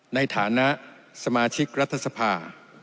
ในฐานะสมาชิกรัฐสภา